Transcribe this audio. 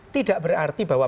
tidak berarti bahwa